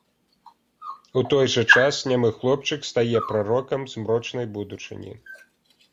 У той жа час нямы хлопчык стае прарокам змрочнай будучыні.